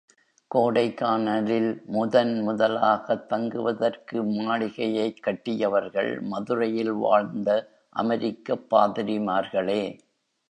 கோடைக்கானலில் முதன் முதலாகத் தங்குவதற்கு மாளிகையைக் கட்டியவர்கள், மதுரையில் வாழ்ந்த அமெரிக்கப் பாதிரிமார்களே.